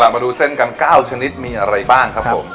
มาดูเส้นกัน๙ชนิดมีอะไรบ้างครับผม